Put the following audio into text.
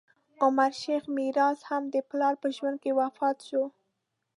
عمر شیخ میرزا، هم د پلار په ژوند کې وفات شو.